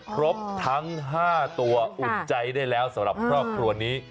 ครบทั้ง๕ตัวอุ่นใจได้แล้วสำหรับครอบครัวนี้